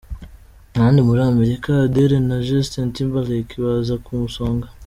abandi muri Amerika, Adele na Justin Timberlake baza ku isonga.